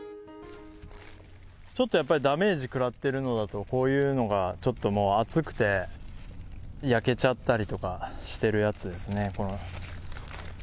ちょっとやっぱりダメージ食らってるのだと、こういうのがちょっともう暑くて焼けちゃったりとかしてるやつですね、この。